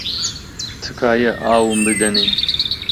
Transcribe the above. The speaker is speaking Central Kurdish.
تکایە ئاوم بدەنێ.